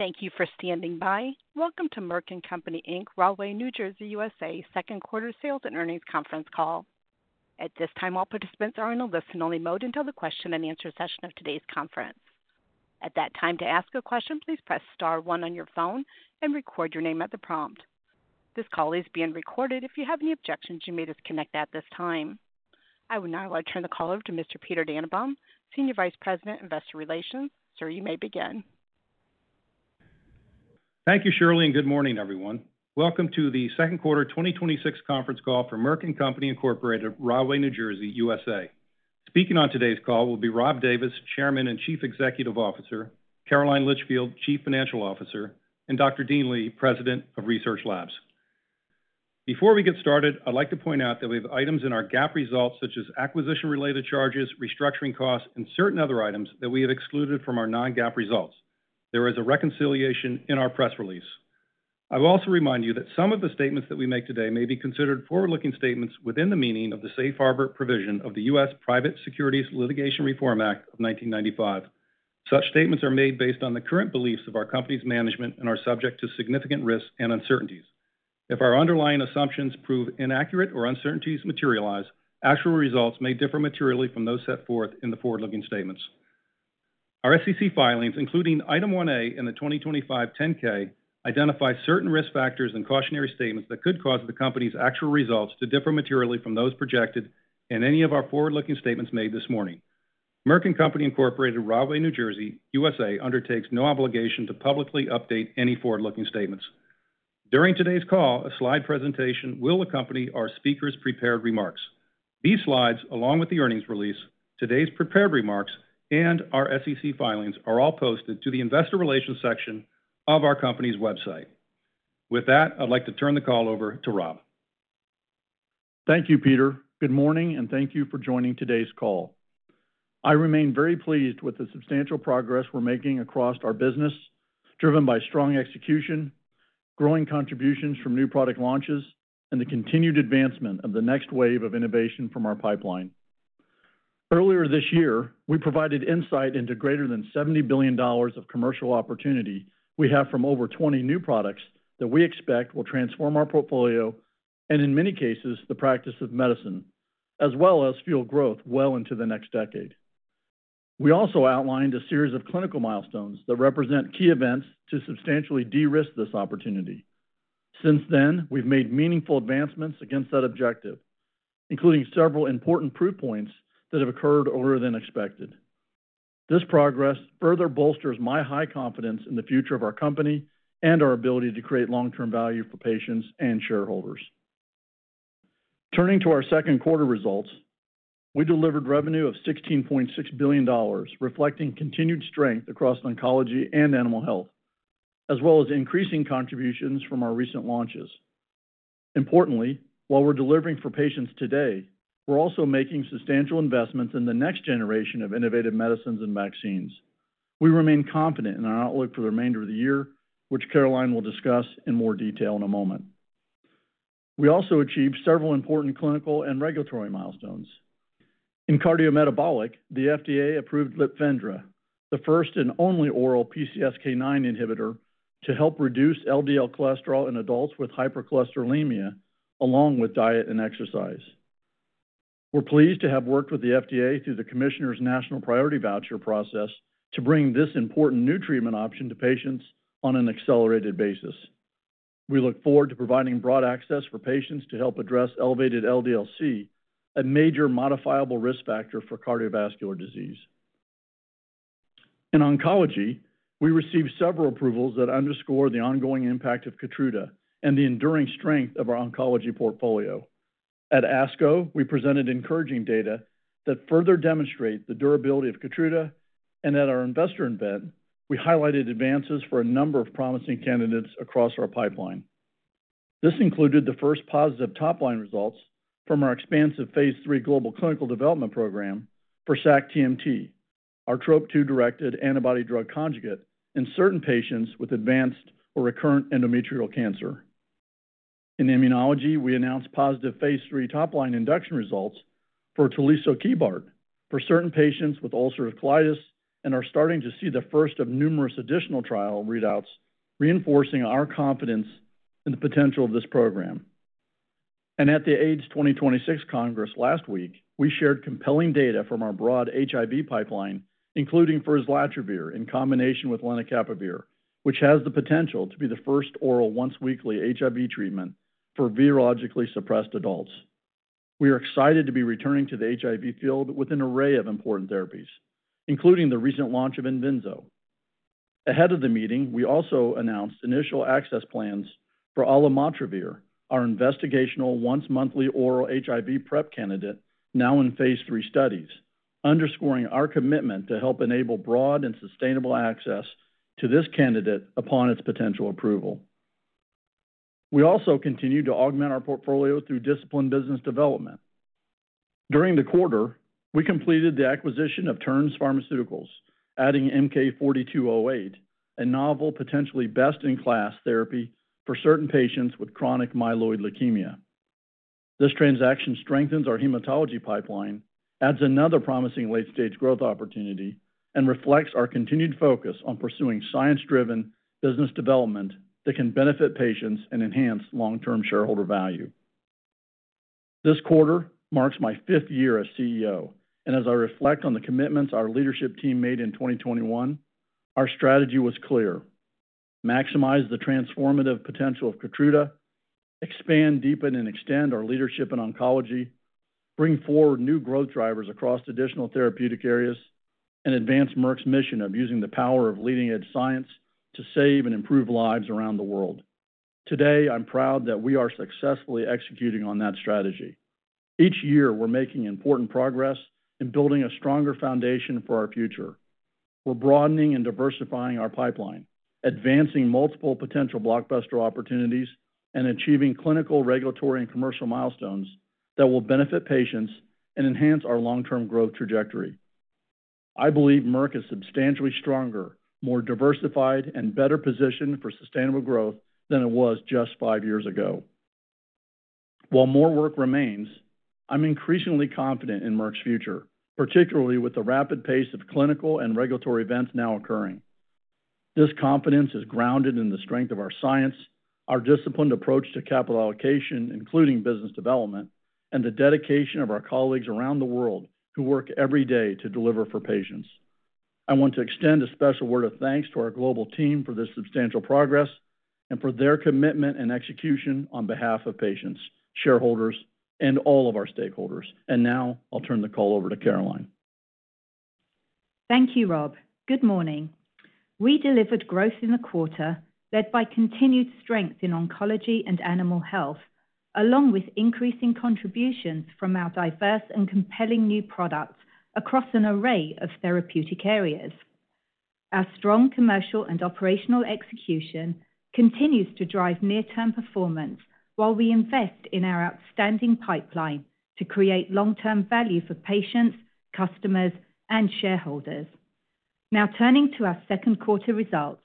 Thank you for standing by. Welcome to Merck & Company, Inc., Rahway, New Jersey, U.S., second quarter sales and earnings conference call. At this time, all participants are in a listen-only mode until the question-and-answer session of today's conference. At that time, to ask a question, please press star one on your phone and record your name at the prompt. This call is being recorded. If you have any objections, you may disconnect at this time. I would now like to turn the call over to Mr. Peter Dannenbaum, Senior Vice President, Investor Relations. Sir, you may begin. Thank you, Shirley, and good morning, everyone. Welcome to the second quarter 2026 conference call for Merck & Company, Inc., Rahway, New Jersey, U.S. Speaking on today's call will be Rob Davis, Chairman and Chief Executive Officer, Caroline Litchfield, Chief Financial Officer, and Dr. Dean Li, President of Research Labs. Before we get started, I'd like to point out that we have items in our GAAP results, such as acquisition-related charges, restructuring costs, and certain other items that we have excluded from our non-GAAP results. There is a reconciliation in our press release. I will also remind you that some of the statements that we make today may be considered forward-looking statements within the meaning of the Safe Harbor provision of the U.S. Private Securities Litigation Reform Act of 1995. Such statements are made based on the current beliefs of our company's management and are subject to significant risks and uncertainties. If our underlying assumptions prove inaccurate or uncertainties materialize, actual results may differ materially from those set forth in the forward-looking statements. Our SEC filings, including Item 1A in the 2025 10-K, identify certain risk factors and cautionary statements that could cause the company's actual results to differ materially from those projected in any of our forward-looking statements made this morning. Merck & Company, Inc., Rahway, New Jersey, U.S., undertakes no obligation to publicly update any forward-looking statements. During today's call, a slide presentation will accompany our speakers' prepared remarks. These slides, along with the earnings release, today's prepared remarks, and our SEC filings, are all posted to the investor relations section of our company's website. With that, I'd like to turn the call over to Rob. Thank you, Peter. Good morning and thank you for joining today's call. I remain very pleased with the substantial progress we're making across our business, driven by strong execution, growing contributions from new product launches, and the continued advancement of the next wave of innovation from our pipeline. Earlier this year, we provided insight into greater than $70 billion of commercial opportunity we have from over 20 new products that we expect will transform our portfolio and, in many cases, the practice of medicine, as well as fuel growth well into the next decade. We also outlined a series of clinical milestones that represent key events to substantially de-risk this opportunity. Since then, we've made meaningful advancements against that objective, including several important proof points that have occurred earlier than expected. This progress further bolsters my high confidence in the future of our company and our ability to create long-term value for patients and shareholders. Turning to our second quarter results, we delivered revenue of $16.6 billion, reflecting continued strength across oncology and animal health, as well as increasing contributions from our recent launches. Importantly, while we're delivering for patients today, we're also making substantial investments in the next generation of innovative medicines and vaccines. We remain confident in our outlook for the remainder of the year, which Caroline will discuss in more detail in a moment. We also achieved several important clinical and regulatory milestones. In cardiometabolic, the FDA approved LIPFENDRA, the first and only oral PCSK9 inhibitor to help reduce LDL cholesterol in adults with hypercholesterolemia, along with diet and exercise. We're pleased to have worked with the FDA through the Commissioner's National Priority Voucher process to bring this important new treatment option to patients on an accelerated basis. We look forward to providing broad access for patients to help address elevated LDL-C, a major modifiable risk factor for cardiovascular disease. In oncology, we received several approvals that underscore the ongoing impact of KEYTRUDA and the enduring strength of our oncology portfolio. At ASCO, we presented encouraging data that further demonstrate the durability of KEYTRUDA. At our Investor Event, we highlighted advances for a number of promising candidates across our pipeline. This included the first positive top-line results from our expansive phase III global clinical development program for sac-TMT, our Trop-2-directed antibody drug conjugate in certain patients with advanced or recurrent endometrial cancer. In immunology, we announced positive phase III top-line induction results for tulisokibart for certain patients with ulcerative colitis and are starting to see the first of numerous additional trial readouts, reinforcing our confidence in the potential of this program. At the AIDS 2026 Congress last week, we shared compelling data from our broad HIV pipeline, including for islatravir in combination with lenacapavir, which has the potential to be the first oral once-weekly HIV treatment for virologically suppressed adults. We are excited to be returning to the HIV field with an array of important therapies, including the recent launch of Edvinzo. Ahead of the meeting, we also announced initial access plans for alimatravir, our investigational once-monthly oral HIV PrEP candidate, now in phase III studies, underscoring our commitment to help enable broad and sustainable access to this candidate upon its potential approval. We also continue to augment our portfolio through disciplined business development. During the quarter, we completed the acquisition of Terns Pharmaceuticals, adding MK-4208, a novel potentially best-in-class therapy for certain patients with chronic myeloid leukemia. This transaction strengthens our hematology pipeline, adds another promising late-stage growth opportunity, and reflects our continued focus on pursuing science-driven business development that can benefit patients and enhance long-term shareholder value. This quarter marks my fifth year as CEO, and as I reflect on the commitments our leadership team made in 2021, our strategy was clear: maximize the transformative potential of KEYTRUDA, expand, deepen, and extend our leadership in oncology, bring forward new growth drivers across additional therapeutic areas, and advance Merck's mission of using the power of leading-edge science to save and improve lives around the world. Today, I'm proud that we are successfully executing on that strategy. Each year, we're making important progress in building a stronger foundation for our future. We're broadening and diversifying our pipeline, advancing multiple potential blockbuster opportunities, and achieving clinical, regulatory, and commercial milestones that will benefit patients and enhance our long-term growth trajectory. I believe Merck is substantially stronger, more diversified, and better positioned for sustainable growth than it was just five years ago. While more work remains, I'm increasingly confident in Merck's future, particularly with the rapid pace of clinical and regulatory events now occurring. This confidence is grounded in the strength of our science, our disciplined approach to capital allocation, including business development, and the dedication of our colleagues around the world who work every day to deliver for patients. I want to extend a special word of thanks to our global team for this substantial progress and for their commitment and execution on behalf of patients, shareholders, and all of our stakeholders. I'll turn the call over to Caroline. Thank you, Rob. Good morning. We delivered growth in the quarter led by continued strength in oncology and animal health, along with increasing contributions from our diverse and compelling new products across an array of therapeutic areas. Our strong commercial and operational execution continues to drive near-term performance while we invest in our outstanding pipeline to create long-term value for patients, customers, and shareholders. Turning to our second quarter results.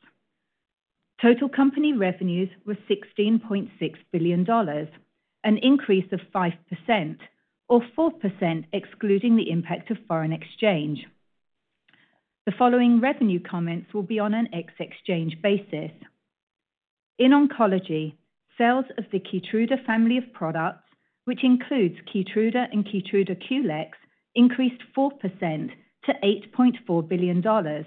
Total company revenues were $16.6 billion, an increase of 5%, or 4% excluding the impact of foreign exchange. The following revenue comments will be on an ex exchange basis. In oncology, sales of the KEYTRUDA family of products, which includes KEYTRUDA and KEYTRUDA QLEX, increased 4% to $8.4 billion,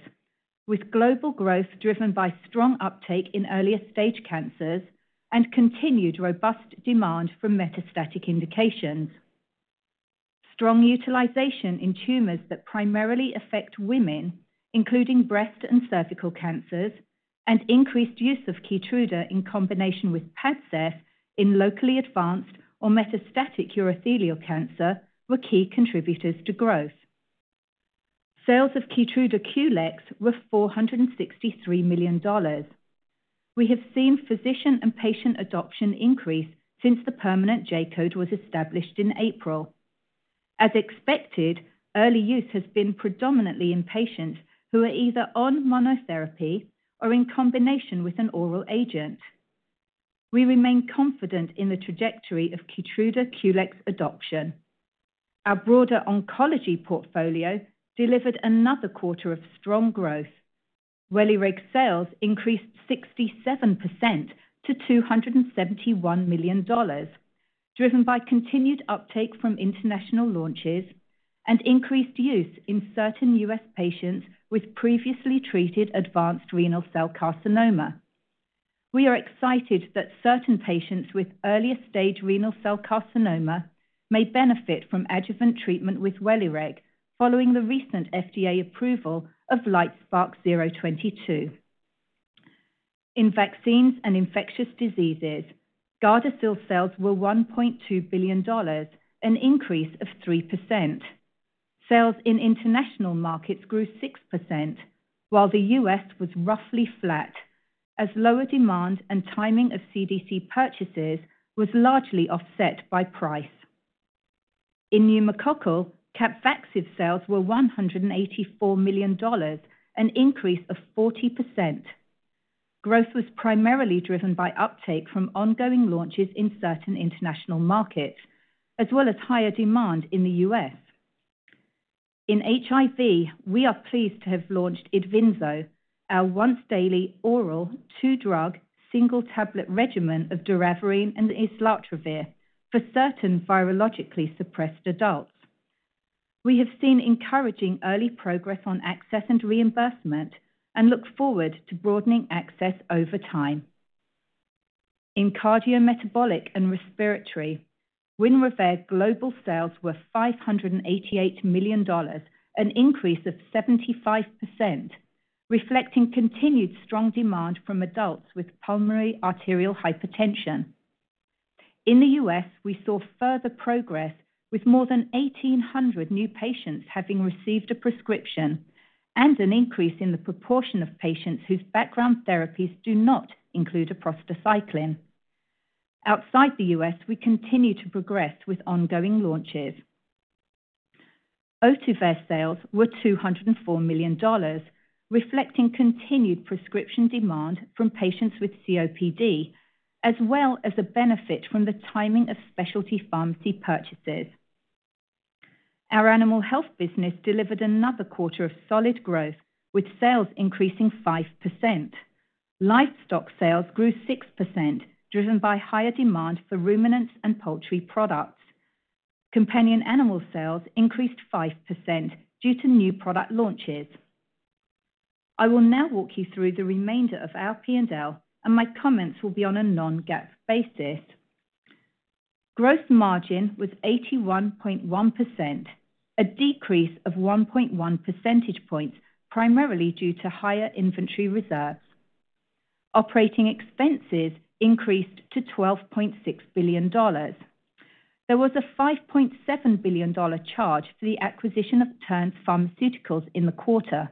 with global growth driven by strong uptake in earlier stage cancers and continued robust demand for metastatic indications. Strong utilization in tumors that primarily affect women, including breast and cervical cancers, and increased use of KEYTRUDA in combination with PADCEV in locally advanced or metastatic urothelial cancer were key contributors to growth. Sales of KEYTRUDA QLEX were $463 million. We have seen physician and patient adoption increase since the permanent J-code was established in April. As expected, early use has been predominantly in patients who are either on monotherapy or in combination with an oral agent. We remain confident in the trajectory of KEYTRUDA QLEX adoption. Our broader oncology portfolio delivered another quarter of strong growth. WELIREG sales increased 67% to $271 million, driven by continued uptake from international launches and increased use in certain U.S. patients with previously treated advanced renal cell carcinoma. We are excited that certain patients with earlier stage renal cell carcinoma may benefit from adjuvant treatment with WELIREG following the recent FDA approval of LITESPARK-022. In vaccines and infectious diseases, GARDASIL sales were $1.2 billion, an increase of 3%. Sales in international markets grew 6%, while the U.S. was roughly flat as lower demand and timing of CDC purchases was largely offset by price. In pneumococcal, CAPVAXIVE sales were $184 million, an increase of 40%. Growth was primarily driven by uptake from ongoing launches in certain international markets, as well as higher demand in the U.S. In HIV, we are pleased to have launched Edvinzo, our once-daily oral two-drug single-tablet regimen of doravirine and islatravir for certain virologically suppressed adults. We have seen encouraging early progress on access and reimbursement and look forward to broadening access over time. In cardiometabolic and respiratory, WINREVAIR global sales were $588 million, an increase of 75%, reflecting continued strong demand from adults with pulmonary arterial hypertension. In the U.S., we saw further progress with more than 1,800 new patients having received a prescription, and an increase in the proportion of patients whose background therapies do not include a prostacyclin. Outside the U.S., we continue to progress with ongoing launches. Ohtuvayre sales were $204 million, reflecting continued prescription demand from patients with COPD, as well as a benefit from the timing of specialty pharmacy purchases. Our animal health business delivered another quarter of solid growth, with sales increasing 5%. Livestock sales grew 6%, driven by higher demand for ruminants and poultry products. Companion animal sales increased 5% due to new product launches. I will now walk you through the remainder of our P&L, and my comments will be on a non-GAAP basis. Gross margin was 81.1%, a decrease of 1.1 percentage points, primarily due to higher inventory reserves. Operating expenses increased to $12.6 billion. There was a $5.7 billion charge for the acquisition of Terns Pharmaceuticals in the quarter,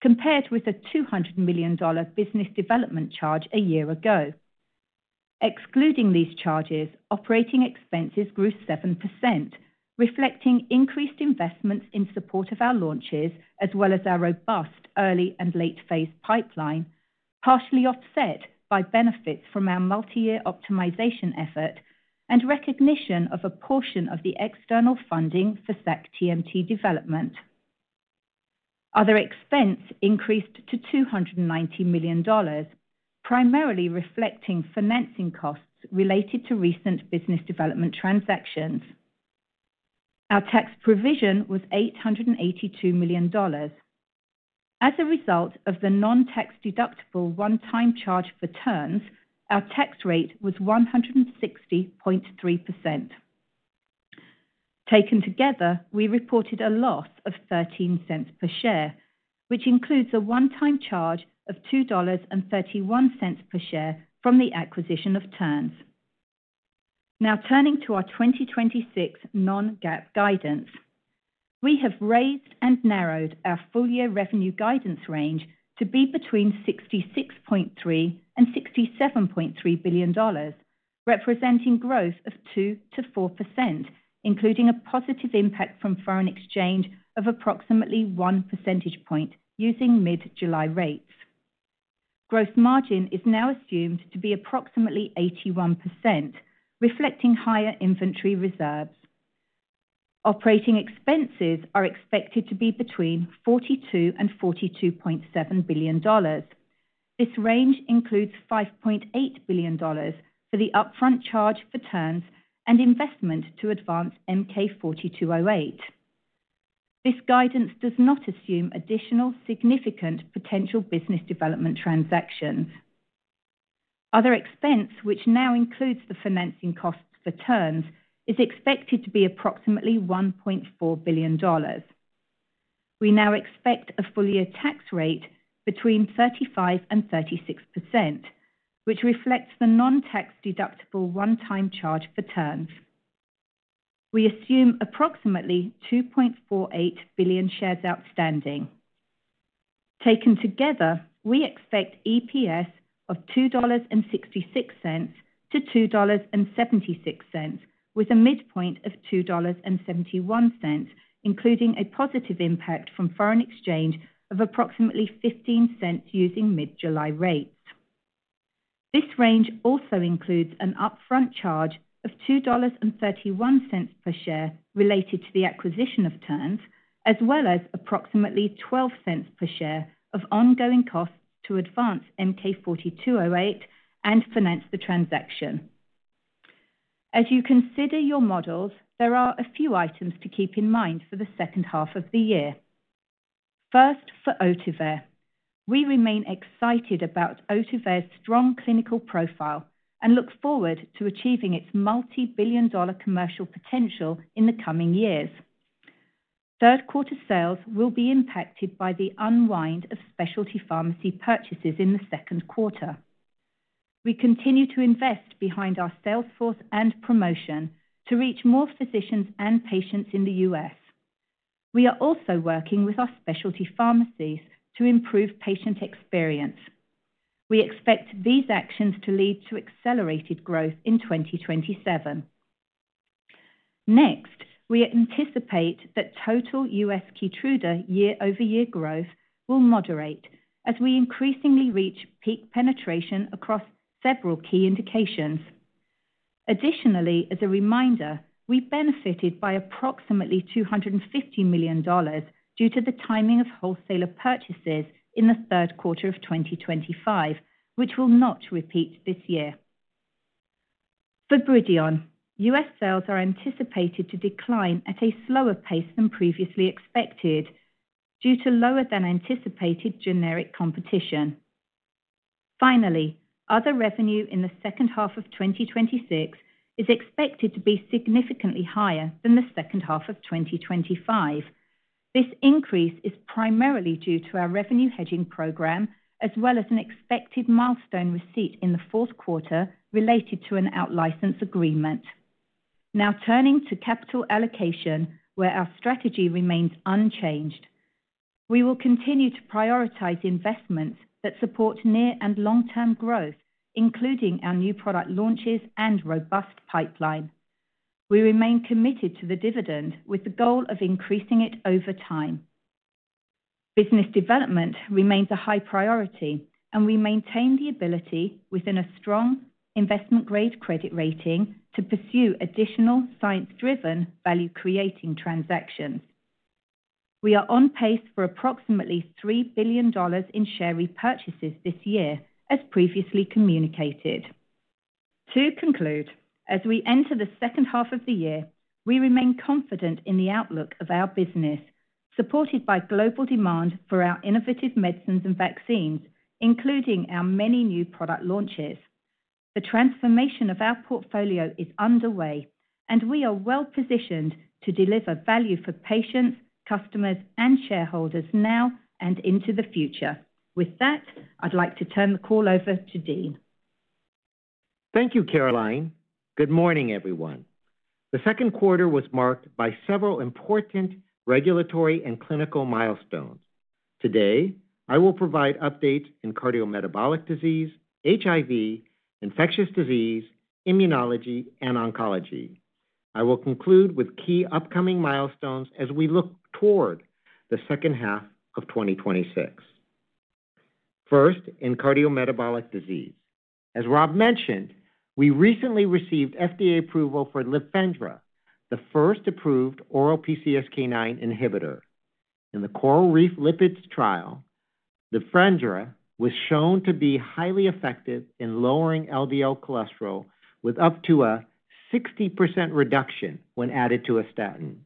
compared with a $200 million business development charge a year ago. Excluding these charges, operating expenses grew 7%, reflecting increased investments in support of our launches, as well as our robust early and late-phase pipeline, partially offset by benefits from our multi-year optimization effort and recognition of a portion of the external funding for sac-TMT development. Other expense increased to $290 million, primarily reflecting financing costs related to recent business development transactions. Our tax provision was $882 million. As a result of the non-tax-deductible one-time charge for Terns, our tax rate was 160.3%. Taken together, we reported a loss of $0.13 per share, which includes a one-time charge of $2.31 per share from the acquisition of Terns. Now turning to our 2026 non-GAAP guidance. We have raised and narrowed our full-year revenue guidance range to be between $66.3 billion and $67.3 billion, representing growth of 2%-4%, including a positive impact from foreign exchange of approximately one percentage point using mid-July rates. Gross margin is now assumed to be approximately 81%, reflecting higher inventory reserves. Operating expenses are expected to be between $42 billion and $42.7 billion. This range includes $5.8 billion for the upfront charge for Terns and investment to advance MK-4208. This guidance does not assume additional significant potential business development transactions. Other expense, which now includes the financing costs for Terns, is expected to be approximately $1.4 billion. We now expect a full-year tax rate between 35% and 36%, which reflects the non-tax-deductible one-time charge for Terns. We assume approximately 2.48 billion shares outstanding. Taken together, we expect EPS of $2.66-$2.76, with a midpoint of $2.71, including a positive impact from foreign exchange of approximately $0.15 using mid-July rates. This range also includes an upfront charge of $2.31 per share related to the acquisition of Terns, as well as approximately $0.12 per share of ongoing costs to advance MK-4208 and finance the transaction. As you consider your models, there are a few items to keep in mind for the second half of the year. First, for OHTUVAYRE. We remain excited about OHTUVAYRE's strong clinical profile and look forward to achieving its multi-billion-dollar commercial potential in the coming years. Third quarter sales will be impacted by the unwind of specialty pharmacy purchases in the second quarter. We continue to invest behind our sales force and promotion to reach more physicians and patients in the U.S. We are also working with our specialty pharmacies to improve patient experience. We expect these actions to lead to accelerated growth in 2027. We anticipate that total U.S. KEYTRUDA year-over-year growth will moderate as we increasingly reach peak penetration across several key indications. Additionally, as a reminder, we benefited by approximately $250 million due to the timing of wholesaler purchases in the third quarter of 2025, which will not repeat this year. For BRIDION, U.S. sales are anticipated to decline at a slower pace than previously expected due to lower than anticipated generic competition. Finally, other revenue in the second half of 2026 is expected to be significantly higher than the second half of 2025. This increase is primarily due to our revenue hedging program, as well as an expected milestone receipt in the fourth quarter related to an out-license agreement. Turning to capital allocation, where our strategy remains unchanged. We will continue to prioritize investments that support near and long-term growth, including our new product launches and robust pipeline. We remain committed to the dividend with the goal of increasing it over time. Business development remains a high priority, and we maintain the ability, within a strong investment-grade credit rating, to pursue additional science-driven, value-creating transactions. We are on pace for approximately $3 billion in share repurchases this year, as previously communicated. To conclude, as we enter the second half of the year, we remain confident in the outlook of our business, supported by global demand for our innovative medicines and vaccines, including our many new product launches. The transformation of our portfolio is underway, and we are well-positioned to deliver value for patients, customers, and shareholders now and into the future. With that, I'd like to turn the call over to Dean. Thank you, Caroline. Good morning, everyone. The second quarter was marked by several important regulatory and clinical milestones. Today, I will provide updates in cardiometabolic disease, HIV, infectious disease, immunology, and oncology. I will conclude with key upcoming milestones as we look toward the second half of 2026. First, in cardiometabolic disease. As Rob mentioned, we recently received FDA approval for LIPFENDRA, the first approved oral PCSK9 inhibitor. In the CORALreef Lipids trial, LIPFENDRA was shown to be highly effective in lowering LDL cholesterol with up to a 60% reduction when added to a statin.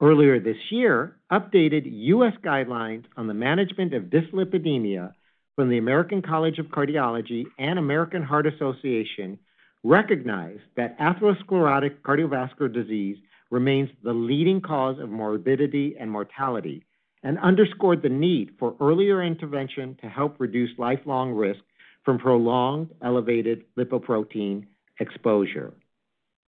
Earlier this year, updated U.S. guidelines on the management of dyslipidemia from the American College of Cardiology and American Heart Association recognized that atherosclerotic cardiovascular disease remains the leading cause of morbidity and mortality and underscored the need for earlier intervention to help reduce lifelong risk from prolonged elevated lipoprotein exposure.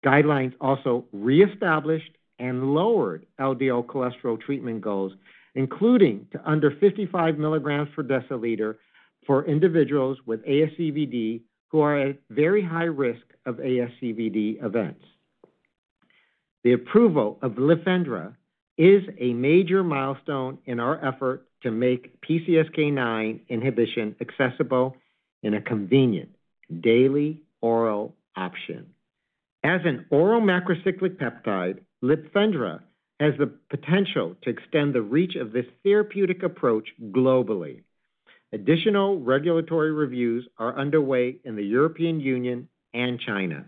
Guidelines also reestablished and lowered LDL cholesterol treatment goals, including to under 55 milligrams per deciliter for individuals with ASCVD who are at very high risk of ASCVD events. The approval of LIPFENDRA is a major milestone in our effort to make PCSK9 inhibition accessible in a convenient daily oral option. As an oral macrocyclic peptide, LIPFENDRA has the potential to extend the reach of this therapeutic approach globally. Additional regulatory reviews are underway in the European Union and China.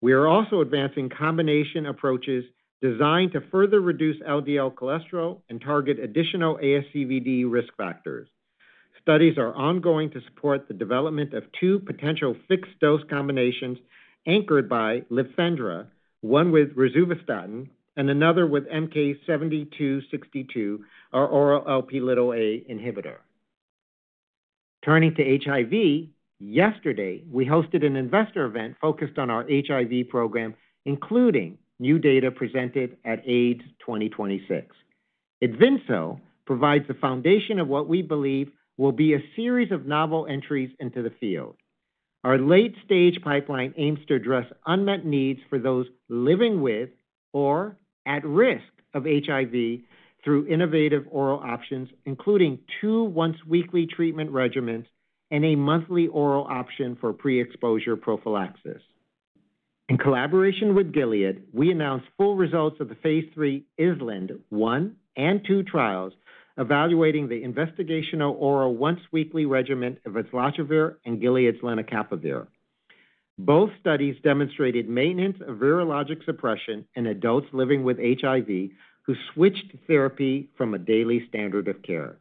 We are also advancing combination approaches designed to further reduce LDL cholesterol and target additional ASCVD risk factors. Studies are ongoing to support the development of two potential fixed-dose combinations anchored by LIPFENDRA, one with rosuvastatin and another with MK-7262, our oral Lp inhibitor. Turning to HIV. Yesterday, we hosted an Investor Event focused on our HIV program, including new data presented at AIDS 2026. Edvinzo provides the foundation of what we believe will be a series of novel entries into the field. Our late-stage pipeline aims to address unmet needs for those living with or at risk of HIV through innovative oral options, including two once-weekly treatment regimens and a monthly oral option for pre-exposure prophylaxis. In collaboration with Gilead, we announced full results of the phase III ISLAND 1 and 2 trials evaluating the investigational oral once-weekly regimen of islatravir and Gilead's lenacapavir. Both studies demonstrated maintenance of virologic suppression in adults living with HIV who switched therapy from a daily standard of care.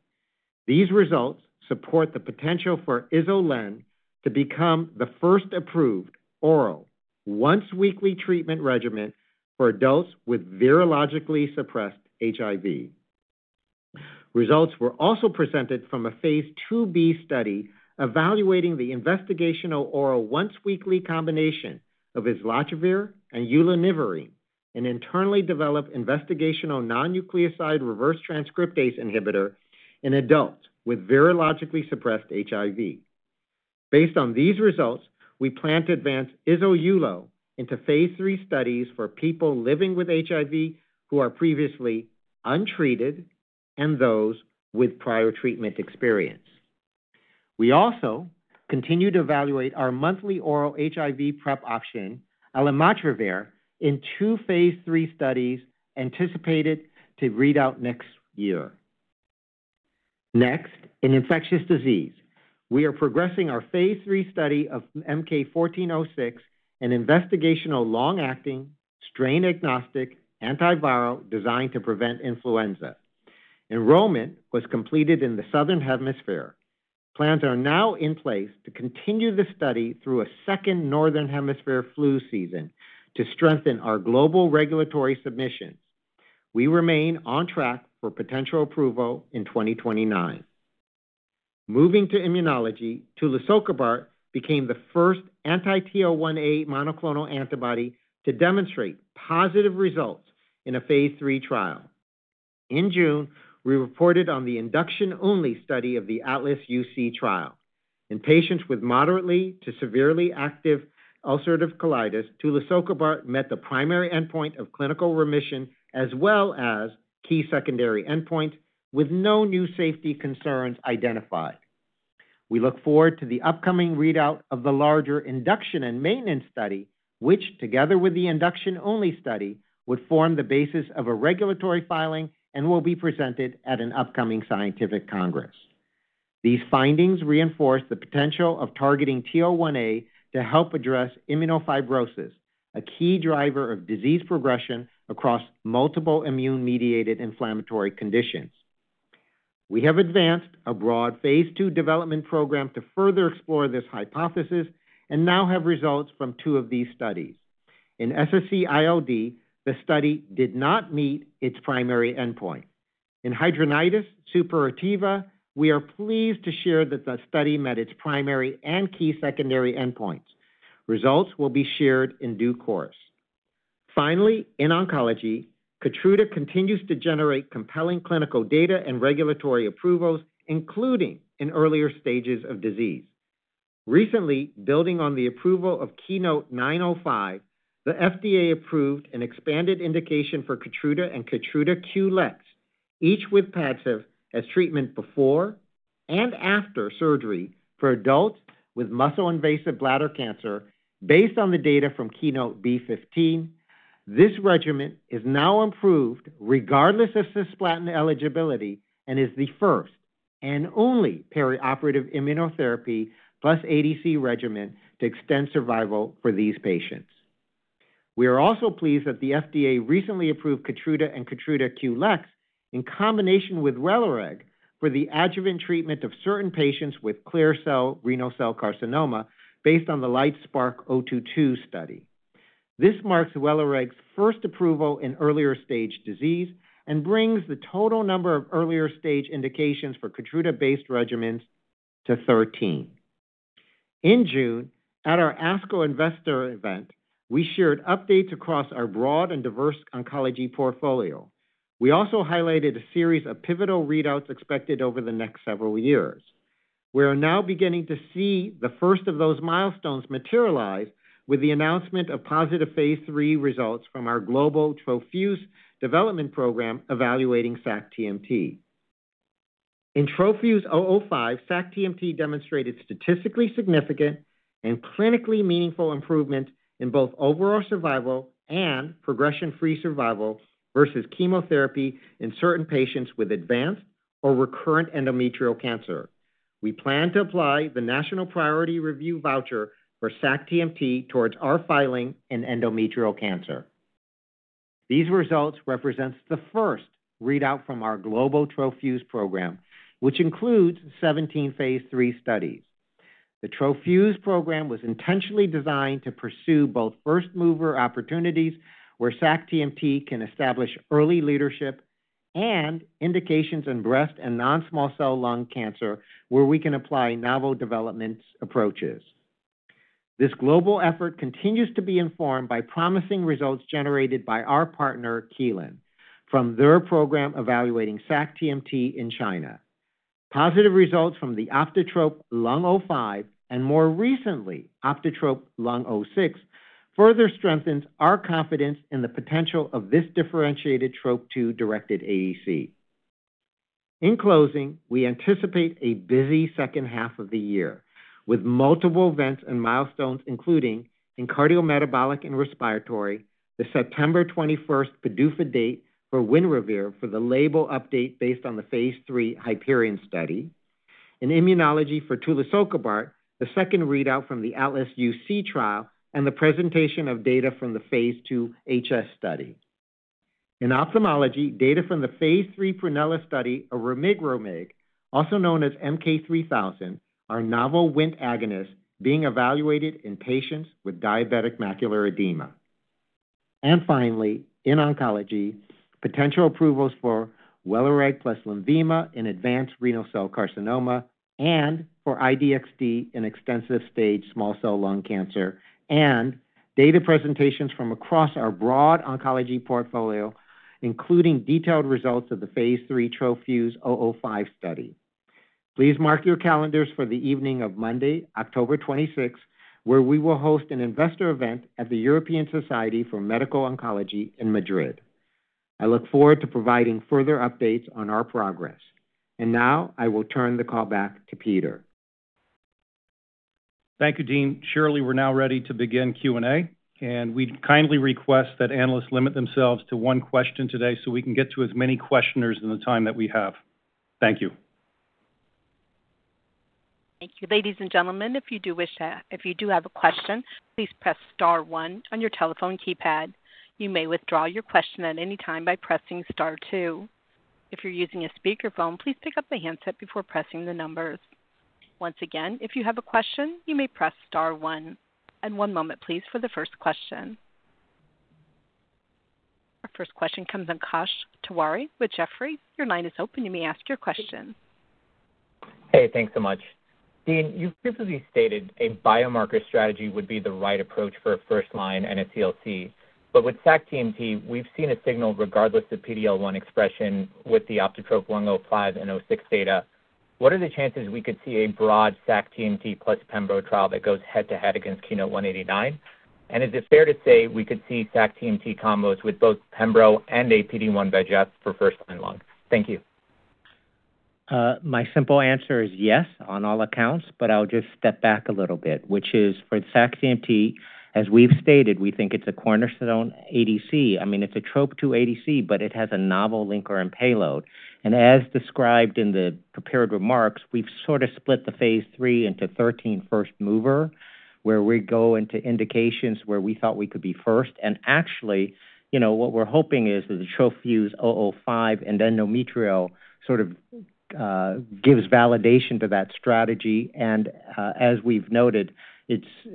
These results support the potential for ISL/LEN to become the first approved oral once-weekly treatment regimen for adults with virologically suppressed HIV. Results were also presented from a phase IIb study evaluating the investigational oral once-weekly combination of islatravir and ulonivirine, an internally developed investigational non-nucleoside reverse transcriptase inhibitor in adults with virologically suppressed HIV. Based on these results, we plan to advance ISL+ULO into phase III studies for people living with HIV who are previously untreated and those with prior treatment experience. We also continue to evaluate our monthly oral HIV PrEP option, alimatravir, in two phase III studies anticipated to read out next year. Next, in infectious disease, we are progressing our phase III study of MK-1406, an investigational long-acting, strain-agnostic antiviral designed to prevent influenza. Enrollment was completed in the Southern Hemisphere. Plans are now in place to continue the study through a second Northern Hemisphere flu season to strengthen our global regulatory submissions. We remain on track for potential approval in 2029. Moving to immunology, tulisokibart became the first anti-TL1A monoclonal antibody to demonstrate positive results in a phase III trial. In June, we reported on the induction-only study of the ATLAS-UC trial. In patients with moderately to severely active ulcerative colitis, tulisokibart met the primary endpoint of clinical remission, as well as key secondary endpoints, with no new safety concerns identified. We look forward to the upcoming readout of the larger induction and maintenance study, which, together with the induction-only study, would form the basis of a regulatory filing and will be presented at an upcoming scientific congress. These findings reinforce the potential of targeting TL1A to help address immunofibrosis, a key driver of disease progression across multiple immune-mediated inflammatory conditions. We have advanced a broad phase II development program to further explore this hypothesis and now have results from two of these studies. In SSc-ILD, the study did not meet its primary endpoint. In hidradenitis suppurativa, we are pleased to share that the study met its primary and key secondary endpoints. Results will be shared in due course. Finally, in oncology, KEYTRUDA continues to generate compelling clinical data and regulatory approvals, including in earlier stages of disease. Recently, building on the approval of KEYNOTE-905, the FDA approved an expanded indication for KEYTRUDA and KEYTRUDA QLEX, each with PADCEV as treatment before and after surgery for adults with muscle-invasive bladder cancer based on the data from KEYNOTE-B15. This regimen is now improved regardless of cisplatin eligibility and is the first and only perioperative immunotherapy plus ADC regimen to extend survival for these patients. We are also pleased that the FDA recently approved KEYTRUDA and KEYTRUDA QLEX in combination with WELIREG for the adjuvant treatment of certain patients with clear cell renal cell carcinoma based on the LITESPARK-022 study. This marks WELIREG's first approval in earlier-stage disease and brings the total number of earlier-stage indications for KEYTRUDA-based regimens to 13. In June, at our ASCO Investor Event, we shared updates across our broad and diverse oncology portfolio. We also highlighted a series of pivotal readouts expected over the next several years. We are now beginning to see the first of those milestones materialize with the announcement of positive phase III results from our global TroFuse development program evaluating sac-TMT. In TroFuse-005, sac-TMT demonstrated statistically significant and clinically meaningful improvement in both overall survival and progression-free survival versus chemotherapy in certain patients with advanced or recurrent endometrial cancer. We plan to apply the National Priority Review voucher for sac-TMT towards our filing in endometrial cancer. These results represent the first readout from our global TroFuse program, which includes 17 phase III studies. The TroFuse program was intentionally designed to pursue both first-mover opportunities where sac-TMT can establish early leadership and indications in breast and non-small cell lung cancer, where we can apply novel development approaches. This global effort continues to be informed by promising results generated by our partner, Kelun, from their program evaluating sac-TMT in China. Positive results from the OptiTROP-Lung05, and more recently, OptiTROP-Lung06, further strengthen our confidence in the potential of this differentiated Trop-2-directed ADC. In closing, we anticipate a busy second half of the year, with multiple events and milestones, including in cardiometabolic and respiratory, the September 21st PDUFA date for WINREVAIR for the label update based on the Phase III HYPERION study. In immunology for tulisokibart, the second readout from the ATLAS-UC trial, and the presentation of data from the Phase II HS study. In ophthalmology, data from the Phase III PRUNELLA study of remigromig, also known as MK-3000, our novel WNT agonist being evaluated in patients with diabetic macular edema. Finally, in oncology, potential approvals for WELIREG plus LENVIMA in advanced renal cell carcinoma and for I-DXd in extensive stage small cell lung cancer, and data presentations from across our broad oncology portfolio, including detailed results of the Phase III TroFuse-005 study. Please mark your calendars for the evening of Monday, October 26th, where we will host an Investor Event at the European Society for Medical Oncology in Madrid. I look forward to providing further updates on our progress. Now I will turn the call back to Peter. Thank you, Dean. Shirley, we're now ready to begin Q&A. We'd kindly request that analysts limit themselves to one question today so we can get to as many questioners in the time that we have. Thank you. Thank you. Ladies and gentlemen, if you do have a question, please press star one on your telephone keypad. You may withdraw your question at any time by pressing star two. If you're using a speakerphone, please pick up the handset before pressing the numbers. Once again, if you have a question, you may press star one. One moment, please, for the first question. Our first question comes on Akash Tewari with Jefferies. Your line is open. You may ask your question. Hey, thanks so much. Dean, you've previously stated a biomarker strategy would be the right approach for a first-line and a TLC. With sac-TMT, we've seen a signal regardless of PD-L1 expression with the OptiTROP-Lung05 and 06 data. What are the chances we could see a broad sac-TMT plus pembro trial that goes head to head against KEYNOTE-189? Is it fair to say we could see sac-TMT combos with both pembro and a PD-1/VEGF for first-line lung? Thank you. My simple answer is yes on all accounts. I'll just step back a little bit, which is for sac-TMT, as we've stated, we think it's a cornerstone ADC. It's a Trop-2 ADC, it has a novel linker and payload. As described in the prepared remarks, we've split the phase III into 13 first mover, where we go into indications where we thought we could be first. Actually, what we're hoping is that the TroFuse-005 endometrial gives validation to that strategy. As we've noted,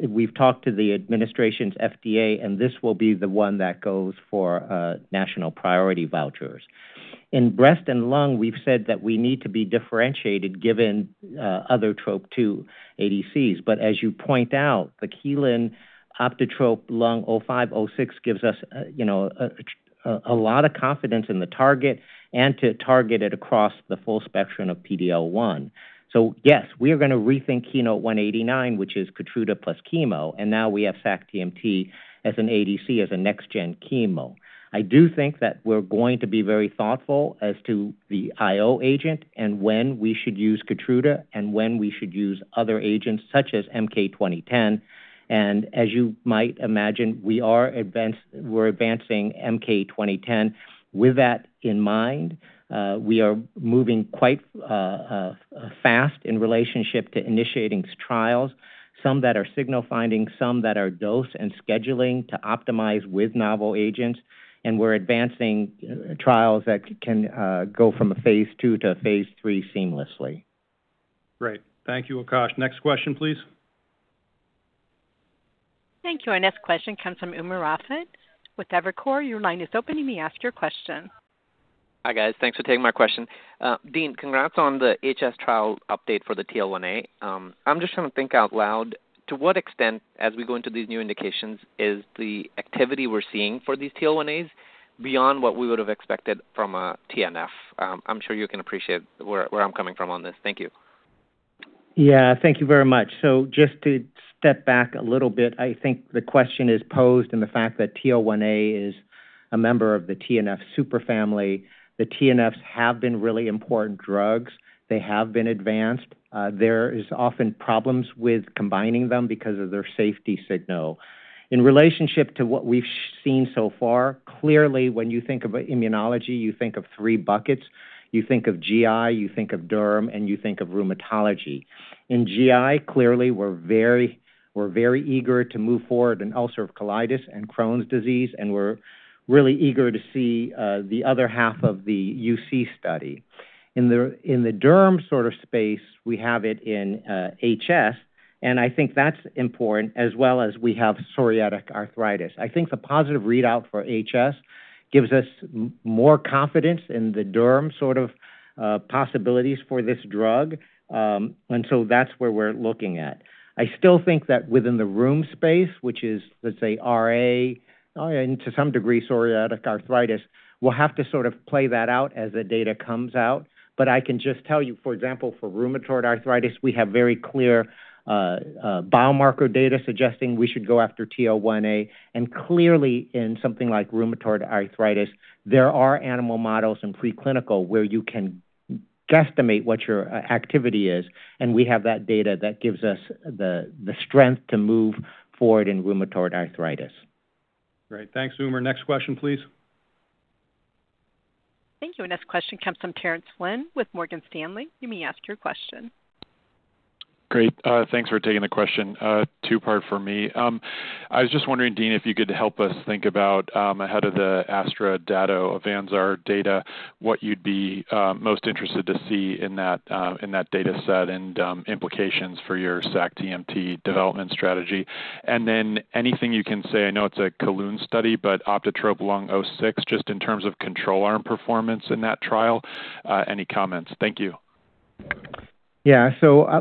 we've talked to the administration's FDA, and this will be the one that goes for National Priority Vouchers. In breast and lung, we've said that we need to be differentiated given other Trop-2 ADCs. As you point out, the Kelun OptiTROP-Lung05/06 gives us a lot of confidence in the target and to target it across the full spectrum of PD-L1. Yes, we are going to rethink KEYNOTE-189, which is KEYTRUDA plus chemo, and now we have sac-TMT as an ADC, as a next-gen chemo. I do think that we're going to be very thoughtful as to the IO agent and when we should use KEYTRUDA and when we should use other agents such as MK-2010. As you might imagine, we're advancing MK-2010. With that in mind, we are moving quite fast in relationship to initiating trials, some that are signal finding, some that are dose and scheduling to optimize with novel agents. We're advancing trials that can go from a phase II to phase III seamlessly. Great. Thank you, Akash. Next question, please. Thank you. Our next question comes from Umer Raffat with Evercore. Your line is open. You may ask your question. Hi, guys. Thanks for taking my question. Dean, congrats on the HS trial update for the TL1A. I'm just trying to think out loud. To what extent, as we go into these new indications, is the activity we're seeing for these TL1As beyond what we would have expected from a TNF? I'm sure you can appreciate where I'm coming from on this. Thank you. Yeah. Thank you very much. Just to step back a little bit, I think the question is posed in the fact that TL1A is a member of the TNF super family. The TNFs have been really important drugs. They have been advanced. There is often problems with combining them because of their safety signal. In relationship to what we've seen so far, clearly when you think of immunology, you think of three buckets. You think of GI, you think of derm, and you think of rheumatology. In GI, clearly, we're very eager to move forward in ulcerative colitis and Crohn's disease, and we're really eager to see the other half of the UC study. In the derm space, we have it in HS, and I think that's important as well as we have psoriatic arthritis. I think the positive readout for HS gives us more confidence in the derm possibilities for this drug. That's where we're looking at. I still think that within the rheum space, which is, let's say RA, and to some degree, psoriatic arthritis, we'll have to play that out as the data comes out. I can just tell you, for example, for rheumatoid arthritis, we have very clear biomarker data suggesting we should go after TL1A. Clearly in something like rheumatoid arthritis, there are animal models in preclinical where you can guesstimate what your activity is, and we have that data that gives us the strength to move forward in rheumatoid arthritis. Great. Thanks, Umer. Next question, please. Thank you. Our next question comes from Terence Flynn with Morgan Stanley. You may ask your question. Great. Thanks for taking the question. Two-part for me. I was just wondering, Dean, if you could help us think about, ahead of the AstraZeneca data, AVANZAR data, what you'd be most interested to see in that data set and implications for your sac-TMT development strategy. Then anything you can say, I know it's a Kelun study, but OptiTROP-Lung06, just in terms of control arm performance in that trial, any comments? Thank you. Yeah.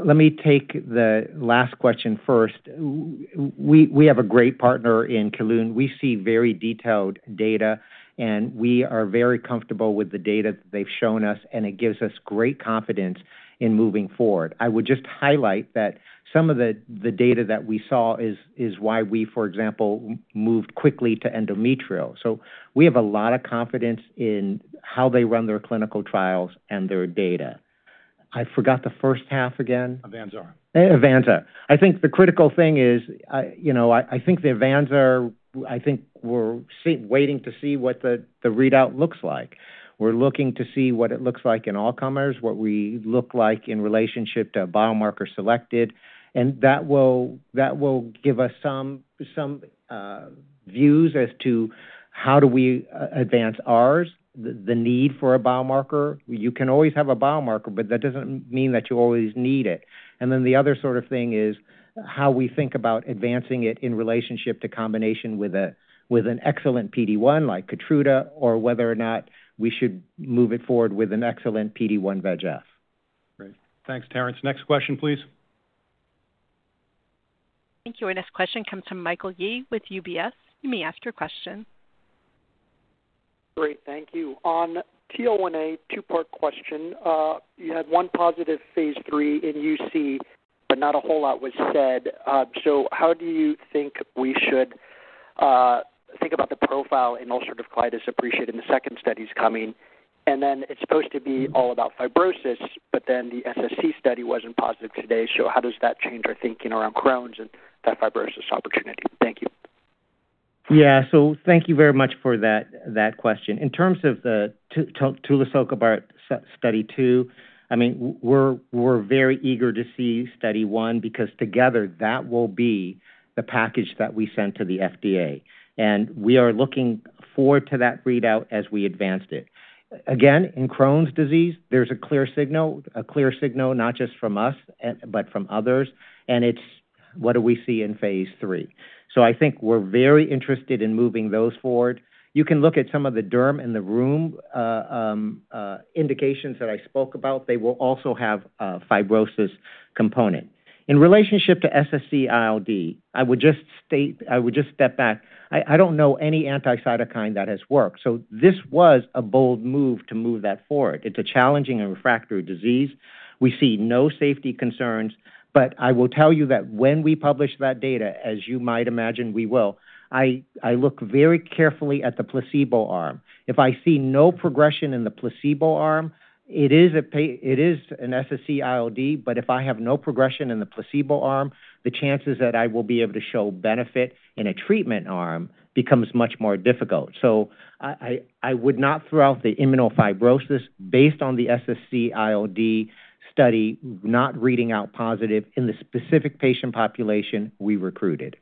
Let me take the last question first. We have a great partner in Kelun. We see very detailed data, and we are very comfortable with the data that they've shown us, and it gives us great confidence in moving forward. I would just highlight that some of the data that we saw is why we, for example, moved quickly to endometrial. We have a lot of confidence in how they run their clinical trials and their data. I forgot the first half again. AVANZAR. AVANZAR. I think the critical thing is, I think the AVANZAR, I think we're waiting to see what the readout looks like. We're looking to see what it looks like in all comers, what we look like in relationship to a biomarker selected. That will give us some views as to how do we advance ours, the need for a biomarker. You can always have a biomarker, but that doesn't mean that you always need it. Then the other thing is how we think about advancing it in relationship to combination with an excellent PD-1 like KEYTRUDA or whether or not we should move it forward with an excellent PD-1 VEGF. Great. Thanks, Terence. Next question, please. Thank you. Our next question comes from Michael Yee with UBS. You may ask your question. Great. Thank you. On TL1A, two-part question. You had one positive phase III in UC, but not a whole lot was said. How do you think we should think about the profile in ulcerative colitis appreciating the second studies coming? Then it's supposed to be all about fibrosis, but then the SSc study wasn't positive today, so how does that change our thinking around Crohn's and that fibrosis opportunity? Thank you. Yeah. Thank you very much for that question. In terms of the tulisokibart study 2, we're very eager to see study 1 because together that will be the package that we send to the FDA, and we are looking forward to that readout as we advanced it. Again, in Crohn's disease, there's a clear signal, a clear signal not just from us, but from others, and it's what do we see in phase III. I think we're very interested in moving those forward. You can look at some of the derm in the room indications that I spoke about. They will also have a fibrosis component. In relationship to SSc-ILD, I would just step back. I don't know any anti-cytokine that has worked, this was a bold move to move that forward. It's a challenging and refractory disease. We see no safety concerns, I will tell you that when we publish that data, as you might imagine we will, I look very carefully at the placebo arm. If I see no progression in the placebo arm, it is an SSc-ILD, if I have no progression in the placebo arm, the chances that I will be able to show benefit in a treatment arm becomes much more difficult. I would not throw out the immunofibrosis based on the SSc-ILD study not reading out positive in the specific patient population we recruited.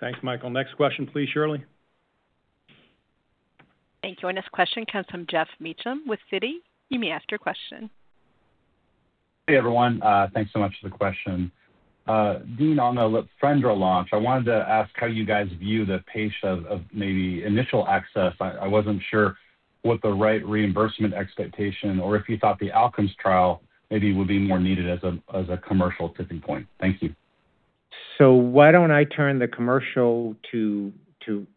Thanks, Michael. Next question, please, Shirley. Thank you. Our next question comes from Geoff Meacham with Citi. You may ask your question. Hey, everyone. Thanks so much for the question. Dean, on the LIPFENDRA launch, I wanted to ask how you guys view the pace of maybe initial access. I wasn't sure what the right reimbursement expectation, or if you thought the OUTCOMES trial maybe would be more needed as a commercial tipping point. Thank you. Why don't I turn the commercial to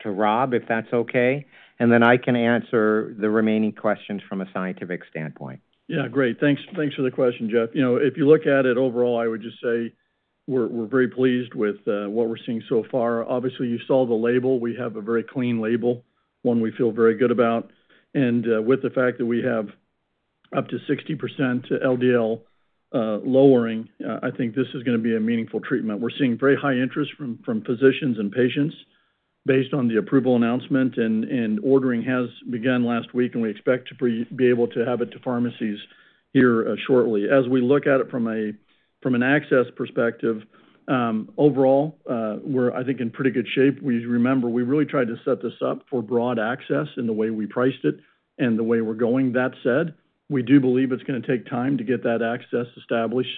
Rob, if that's okay, and then I can answer the remaining questions from a scientific standpoint. Great. Thanks for the question, Geoff. If you look at it overall, I would just say we're very pleased with what we're seeing so far. Obviously, you saw the label. We have a very clean label, one we feel very good about. With the fact that we have up to 60% LDL lowering, I think this is going to be a meaningful treatment. We're seeing very high interest from physicians and patients based on the approval announcement. Ordering has begun last week, and we expect to be able to have it to pharmacies here shortly. As we look at it from an access perspective, overall, we're, I think, in pretty good shape. Remember, we really tried to set this up for broad access in the way we priced it and the way we're going. That said, we do believe it's going to take time to get that access established.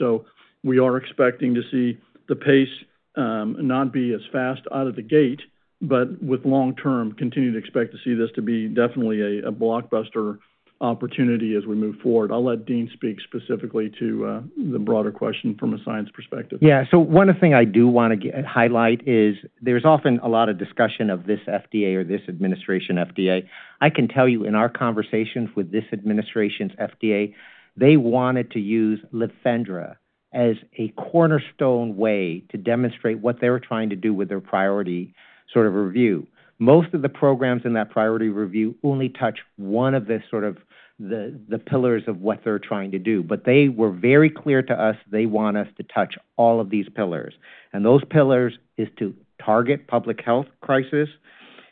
We are expecting to see the pace not be as fast out of the gate, but with long term, continue to expect to see this to be definitely a blockbuster opportunity as we move forward. I'll let Dean speak specifically to the broader question from a science perspective. One thing I do want to highlight is there's often a lot of discussion of this FDA or this administration FDA. I can tell you in our conversations with this administration's FDA, they wanted to use LIPFENDRA as a cornerstone way to demonstrate what they were trying to do with their priority review. Most of the programs in that priority review only touch one of the pillars of what they're trying to do. They were very clear to us, they want us to touch all of these pillars. Those pillars is to target public health crisis,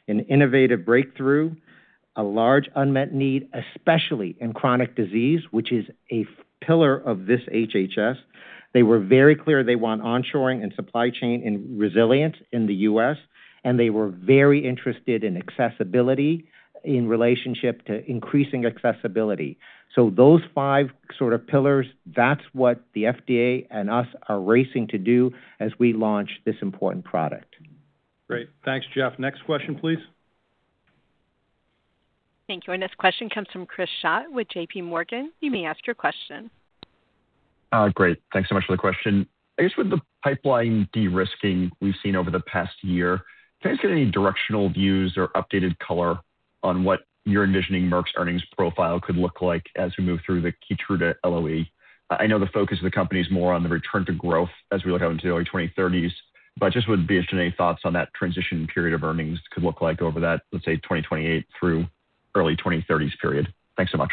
an innovative breakthrough, a large unmet need, especially in chronic disease, which is a pillar of this HHS. They were very clear they want onshoring and supply chain and resilience in the U.S., and they were very interested in accessibility in relationship to increasing accessibility. Those five pillars, that's what the FDA and us are racing to do as we launch this important product. Great. Thanks, Geoff. Next question, please. Thank you. Our next question comes from Chris Schott with JPMorgan. You may ask your question. Great. Thanks so much for the question. I guess with the pipeline de-risking we've seen over the past year, can I get any directional views or updated color on what you're envisioning Merck's earnings profile could look like as we move through the KEYTRUDA LOE? I know the focus of the company is more on the return to growth as we look out into early 2030s, but just would be interested any thoughts on that transition period of earnings could look like over that, let's say, 2028 through early 2030s period. Thanks so much.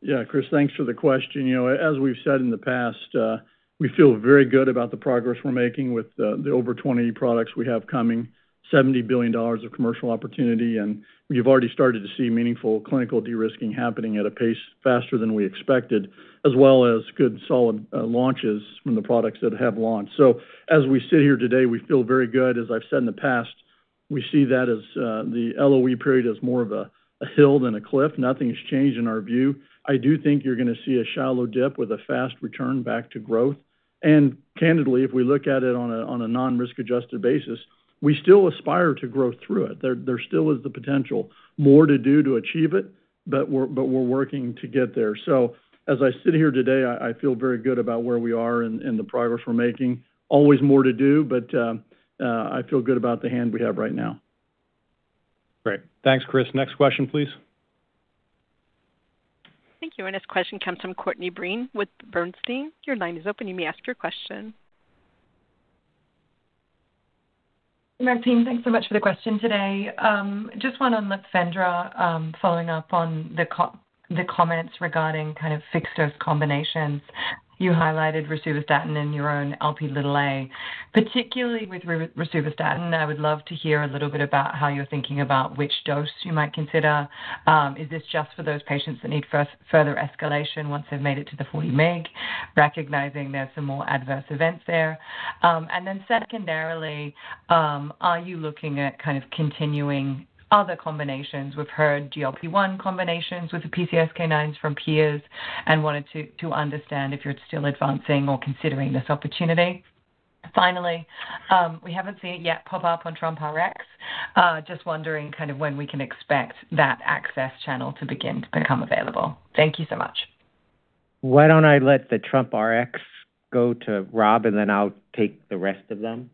Yeah, Chris, thanks for the question. As we've said in the past, we feel very good about the progress we're making with the over 20 products we have coming, $70 billion of commercial opportunity, and we've already started to see meaningful clinical de-risking happening at a pace faster than we expected, as well as good, solid launches from the products that have launched. As we sit here today, we feel very good, as I've said in the past We see that as the LOE period as more of a hill than a cliff. Nothing has changed in our view. I do think you're going to see a shallow dip with a fast return back to growth. Candidly, if we look at it on a non-risk adjusted basis, we still aspire to grow through it. There still is the potential more to do to achieve it, but we're working to get there. As I sit here today, I feel very good about where we are and the progress we're making. Always more to do, but I feel good about the hand we have right now. Great. Thanks, Chris. Next question, please. Thank you. This question comes from Courtney Breen with Bernstein. Your line is open. You may ask your question. Hi team, thanks so much for the question today. Just one on LIPFENDRA, following up on the comments regarding fixed dose combinations. You highlighted rosuvastatin and your own Lp(a). Particularly with rosuvastatin, I would love to hear a little bit about how you're thinking about which dose you might consider. Is this just for those patients that need further escalation once they've made it to the 40 mg, recognizing there's some more adverse events there? Then secondarily, are you looking at continuing other combinations? We've heard GLP-1 combinations with the PCSK9s from peers, wanted to understand if you're still advancing or considering this opportunity. Finally, we haven't seen it yet pop up on TrumpRx. Just wondering when we can expect that access channel to begin to become available. Thank you so much. Why don't I let the TrumpRx go to Rob, then I'll take the rest of them?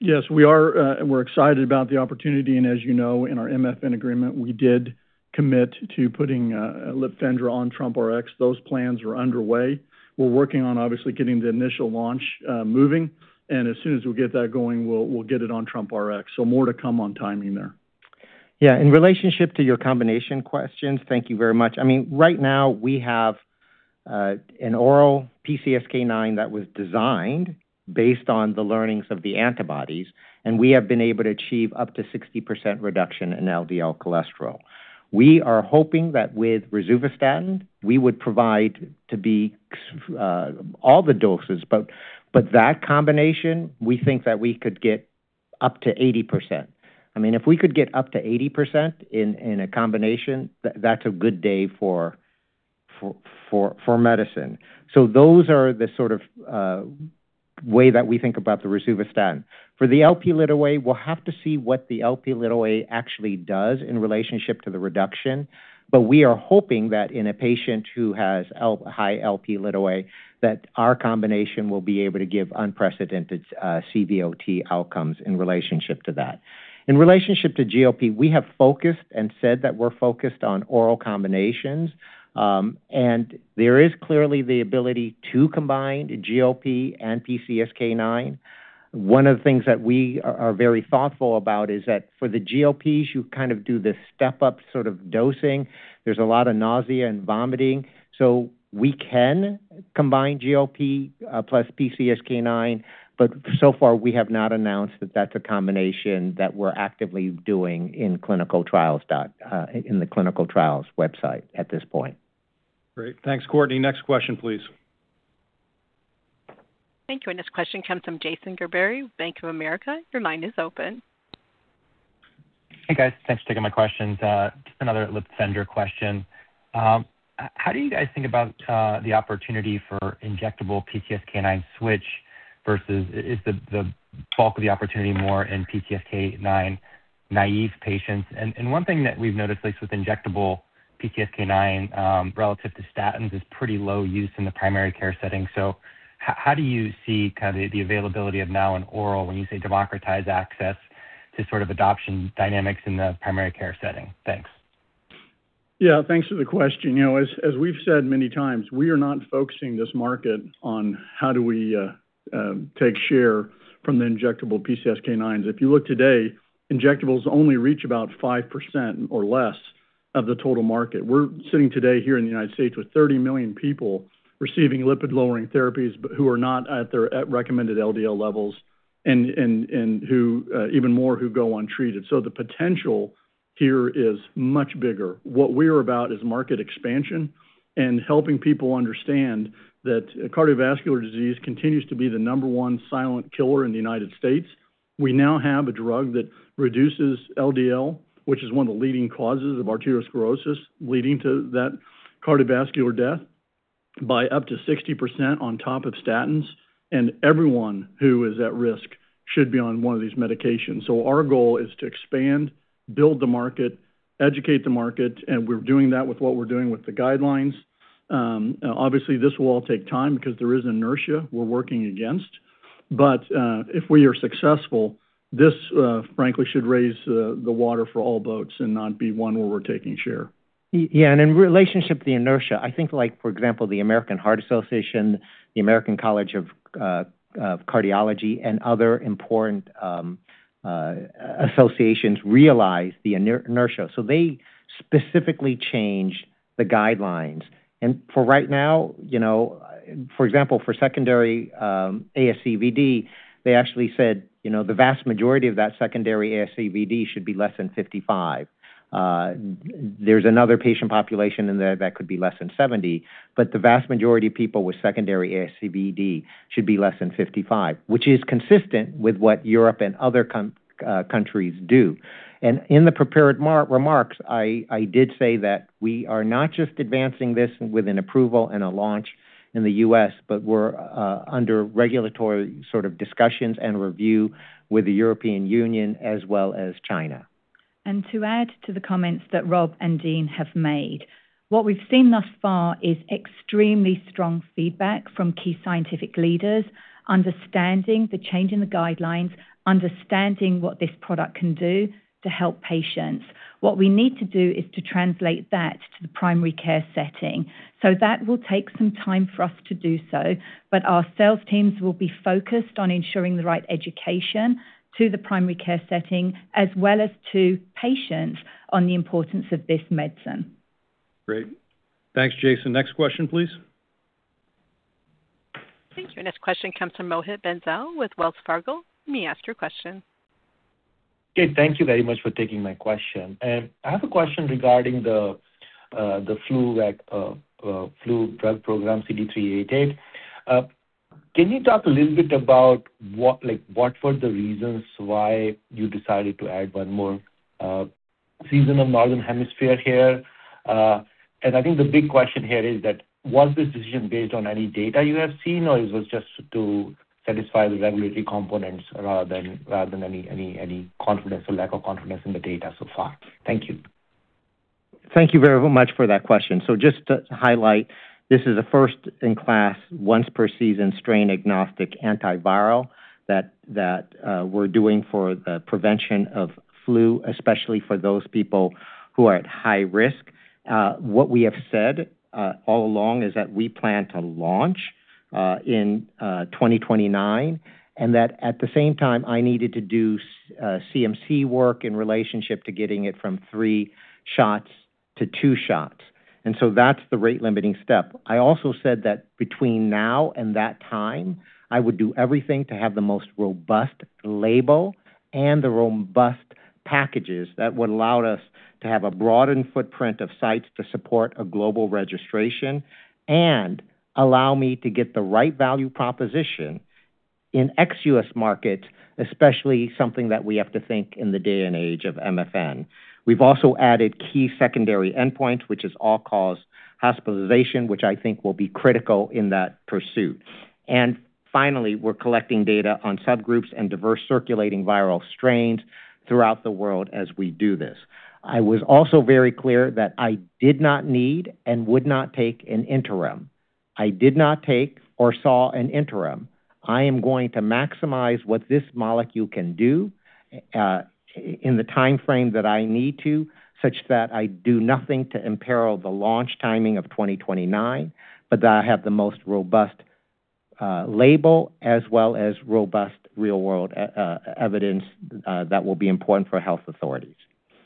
Yes, we're excited about the opportunity as you know, in our MFN agreement, we did commit to putting LIPFENDRA on TrumpRx. Those plans are underway. We're working on obviously getting the initial launch moving, as soon as we get that going, we'll get it on TrumpRx. More to come on timing there. In relationship to your combination questions, thank you very much. Right now, we have an oral PCSK9 that was designed based on the learnings of the antibodies, we have been able to achieve up to 60% reduction in LDL cholesterol. We are hoping that with rosuvastatin, we would provide to be all the doses, that combination, we think that we could get up to 80%. If we could get up to 80% in a combination, that's a good day for medicine. Those are the sort of way that we think about the rosuvastatin. For the Lp, we'll have to see what the Lp actually does in relationship to the reduction. We are hoping that in a patient who has high Lp, that our combination will be able to give unprecedented CVOT outcomes in relationship to that. In relationship to GLP, we have focused and said that we're focused on oral combinations. There is clearly the ability to combine GLP and PCSK9. One of the things that we are very thoughtful about is that for the GLPs, you do this step-up dosing. There's a lot of nausea and vomiting. We can combine GLP plus PCSK9, so far we have not announced that that's a combination that we're actively doing in the clinical trials website at this point. Great. Thanks, Courtney. Next question, please. Thank you, this question comes from Jason Gerberry, Bank of America. Your line is open. Hey, guys. Thanks for taking my questions. Just another LIPFENDRA question. How do you guys think about the opportunity for injectable PCSK9 switch versus the bulk of the opportunity more in PCSK9 naive patients? One thing that we've noticed, at least with injectable PCSK9, relative to statins, is pretty low use in the primary care setting. How do you see the availability of now an oral when you say democratize access to adoption dynamics in the primary care setting? Thanks. Yeah. Thanks for the question. As we've said many times, we are not focusing this market on how do we take share from the injectable PCSK9s. If you look today, injectables only reach about 5% or less of the total market. We're sitting today here in the U.S. with 30 million people receiving lipid-lowering therapies, but who are not at recommended LDL levels, and even more who go untreated. The potential here is much bigger. What we are about is market expansion and helping people understand that cardiovascular disease continues to be the number 1 silent killer in the U.S. We now have a drug that reduces LDL, which is one of the leading causes of arteriosclerosis, leading to that cardiovascular death by up to 60% on top of statins. Everyone who is at risk should be on one of these medications. Our goal is to expand, build the market, educate the market, and we're doing that with what we're doing with the guidelines. Obviously, this will all take time because there is inertia we're working against. If we are successful, this frankly should raise the water for all boats and not be one where we're taking share. Yeah, in relationship to the inertia, I think, for example, the American Heart Association, the American College of Cardiology, and other important associations realize the inertia. They specifically change the guidelines. For right now, for example, for secondary ASCVD, they actually said the vast majority of that secondary ASCVD should be less than 55. There's another patient population in there that could be less than 70, but the vast majority of people with secondary ASCVD should be less than 55, which is consistent with what Europe and other countries do. In the prepared remarks, I did say that we are not just advancing this with an approval and a launch in the U.S., but we're under regulatory discussions and review with the European Union as well as China. To add to the comments that Rob and Dean have made, what we've seen thus far is extremely strong feedback from key scientific leaders, understanding the change in the guidelines, understanding what this product can do to help patients. What we need to do is to translate that to the primary care setting. That will take some time for us to do so, but our sales teams will be focused on ensuring the right education to the primary care setting as well as to patients on the importance of this medicine. Great. Thanks, Jason. Next question, please. Thank you. Next question comes from Mohit Bansal with Wells Fargo. You may ask your question. Thank you very much for taking my question. I have a question regarding the flu drug Can you talk a little bit about what were the reasons why you decided to add one more season of Northern Hemisphere here? I think the big question here is that was this decision based on any data you have seen, or it was just to satisfy the regulatory components rather than any lack of confidence in the data so far? Thank you. Thank you very much for that question. Just to highlight, this is a first-in-class, once per season, strain-agnostic antiviral that we're doing for the prevention of flu, especially for those people who are at high risk. What we have said all along is that we plan to launch in 2029, and that at the same time, I needed to do CMC work in relationship to getting it from three shots to two shots. That's the rate-limiting step. I also said that between now and that time, I would do everything to have the most robust label and the robust packages that would allow us to have a broadened footprint of sites to support a global registration and allow me to get the right value proposition in ex-U.S. markets, especially something that we have to think in the day and age of MFN. We've also added key secondary endpoint, which is all-cause hospitalization, which I think will be critical in that pursuit. Finally, we're collecting data on subgroups and diverse circulating viral strains throughout the world as we do this. I was also very clear that I did not need and would not take an interim. I did not take or saw an interim. I am going to maximize what this molecule can do in the timeframe that I need to, such that I do nothing to imperil the launch timing of 2029, but that I have the most robust label as well as robust real-world evidence that will be important for health authorities.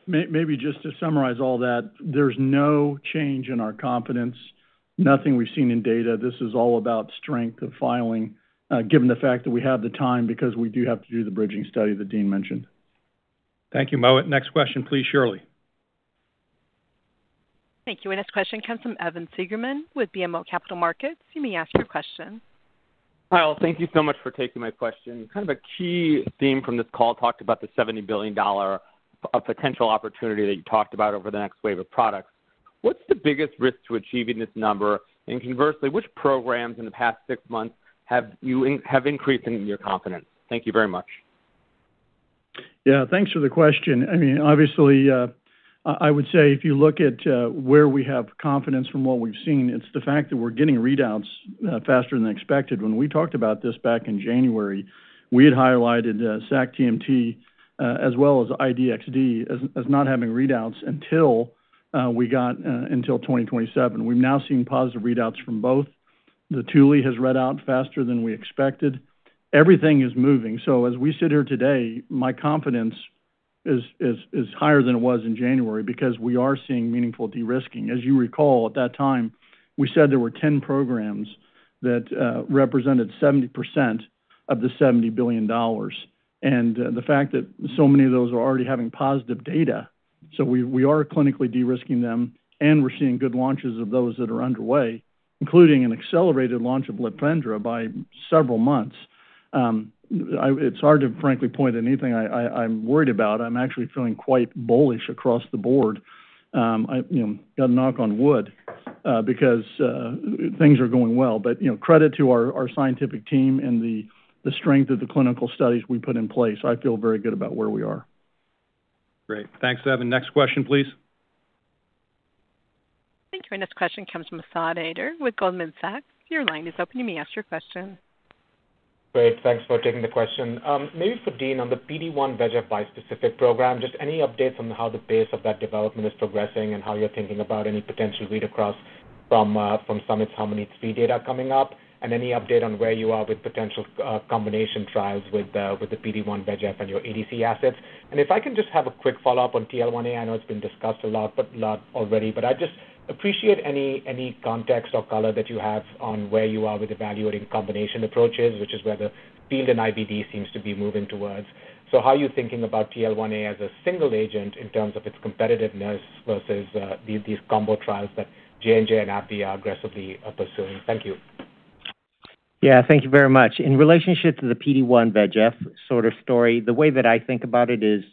Maybe just to summarize all that, there's no change in our confidence, nothing we've seen in data. This is all about strength of filing, given the fact that we have the time because we do have to do the bridging study that Dean mentioned. Thank you, Mohit. Next question, please, Shirley. Thank you. Next question comes from Evan Seigerman with BMO Capital Markets. You may ask your question. Hi all. Thank you so much for taking my question. Kind of a key theme from this call talked about the $70 billion of potential opportunity that you talked about over the next wave of products. What's the biggest risk to achieving this number? Conversely, which programs in the past six months have increased in your confidence? Thank you very much. Yeah. Thanks for the question. Obviously, I would say if you look at where we have confidence from what we've seen, it's the fact that we're getting readouts faster than expected. When we talked about this back in January, we had highlighted sac-TMT as well as I-DXd as not having readouts until 2027. We've now seen positive readouts from both. The TULI has read out faster than we expected. Everything is moving. As we sit here today, my confidence is higher than it was in January because we are seeing meaningful de-risking. As you recall, at that time, we said there were 10 programs that represented 70% of the $70 billion. The fact that so many of those are already having positive data, so we are clinically de-risking them, and we're seeing good launches of those that are underway, including an accelerated launch of LIPFENDRA by several months. It's hard to frankly point at anything I'm worried about. I'm actually feeling quite bullish across the board. I've got to knock on wood because things are going well. Credit to our scientific team and the strength of the clinical studies we put in place. I feel very good about where we are. Great. Thanks, Evan. Next question, please. Thank you. This question comes from Asad Haider with Goldman Sachs. Your line is open. You may ask your question. Great. Thanks for taking the question. Maybe for Dean, on the PD-1 VEGF bispecific program, just any updates on how the pace of that development is progressing and how you're thinking about any potential read-across from Summit's HARMONi-3 data coming up? Any update on where you are with potential combination trials with the PD-1 VEGF and your ADC assets? If I can just have a quick follow-up on TL1A. I know it's been discussed a lot already, but I'd just appreciate any context or color that you have on where you are with evaluating combination approaches, which is where the field in IBD seems to be moving towards. How are you thinking about TL1A as a single agent in terms of its competitiveness versus these combo trials that J&J and AbbVie are aggressively pursuing? Thank you. Yeah. Thank you very much. In relationship to the PD-1 VEGF sort of story, the way that I think about it is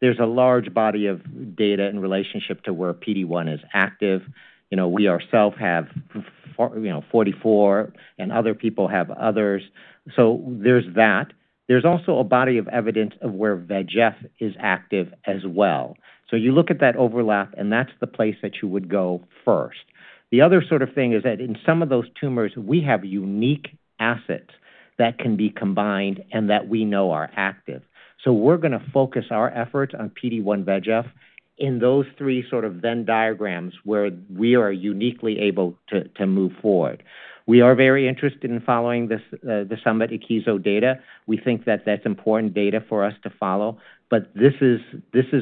there's a large body of data in relationship to where PD-1 is active. We ourself have 44, and other people have others. There's that. There's also a body of evidence of where VEGF is active as well. You look at that overlap, and that's the place that you would go first. The other sort of thing is that in some of those tumors, we have unique assets that can be combined and that we know are active. We're going to focus our effort on PD-1 VEGF in those three sort of Venn diagrams where we are uniquely able to move forward. We are very interested in following the Summit Akeso data. We think that that's important data for us to follow. This is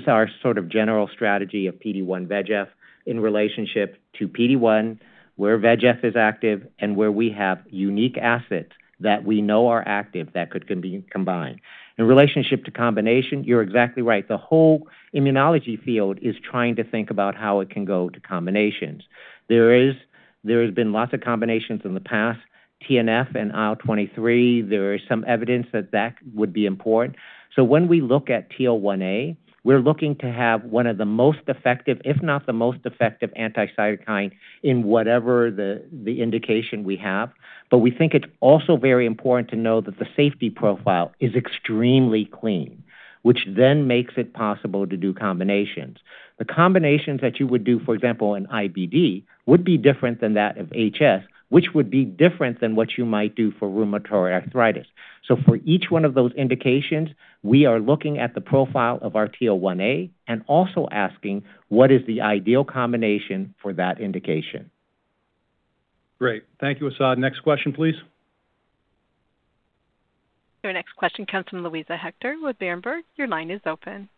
our sort of general strategy of PD-1 VEGF in relationship to PD-1, where VEGF is active and where we have unique assets that we know are active that could be combined. In relationship to combination, you're exactly right. The whole immunology field is trying to think about how it can go to combinations. There has been lots of combinations in the past. TNF and IL-23, there is some evidence that that would be important. When we look at TL1A, we're looking to have one of the most effective, if not the most effective, anti-cytokine in whatever the indication we have. We think it's also very important to know that the safety profile is extremely clean, which then makes it possible to do combinations. The combinations that you would do, for example, in IBD, would be different than that of HS, which would be different than what you might do for rheumatoid arthritis. For each one of those indications, we are looking at the profile of our TL1A and also asking what is the ideal combination for that indication. Great. Thank you, Asad. Next question, please. Your next question comes from Luisa Hector with Berenberg. Your line is open.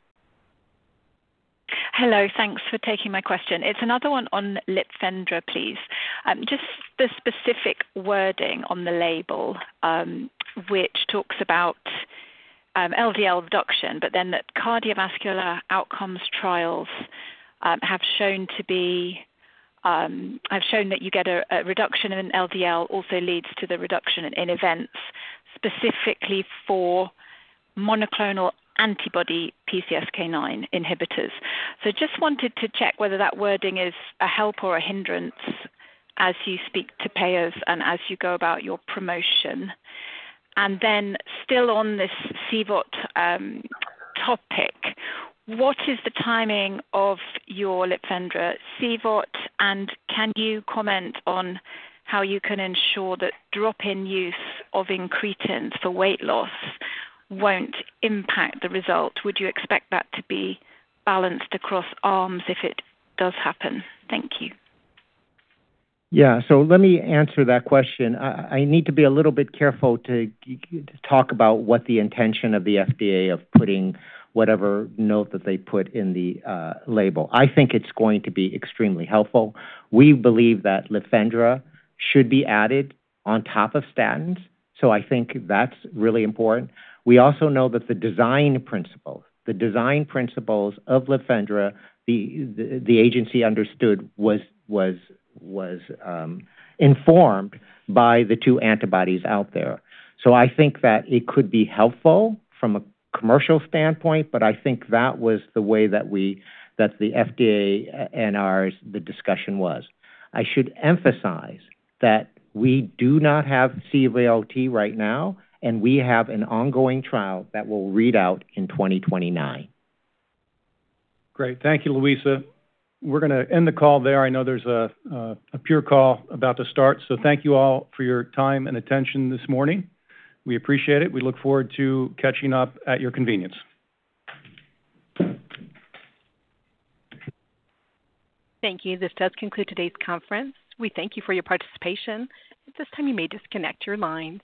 Hello. Thanks for taking my question. It's another one on LIPFENDRA, please. Just the specific wording on the label, which talks about LDL reduction, but then that cardiovascular outcomes trials have shown that you get a reduction in LDL also leads to the reduction in events, specifically for monoclonal antibody PCSK9 inhibitors. Just wanted to check whether that wording is a help or a hindrance as you speak to payers and as you go about your promotion. Still on this CVOT topic, what is the timing of your LIPFENDRA CVOT, and can you comment on how you can ensure that drop in use of incretins for weight loss won't impact the result? Would you expect that to be balanced across arms if it does happen? Thank you. Let me answer that question. I need to be a little bit careful to talk about what the intention of the FDA of putting whatever note that they put in the label. I think it's going to be extremely helpful. We believe that LIPFENDRA should be added on top of statins. I think that's really important. We also know that the design principles of LIPFENDRA, the agency understood was informed by the two antibodies out there. I think that it could be helpful from a commercial standpoint, but I think that was the way that the FDA and ours, the discussion was. I should emphasize that we do not have CVOT right now, and we have an ongoing trial that will read out in 2029. Great. Thank you, Luisa. We're going to end the call there. I know there's a peer call about to start, thank you all for your time and attention this morning. We appreciate it. We look forward to catching up at your convenience. Thank you. This does conclude today's conference. We thank you for your participation. At this time, you may disconnect your line.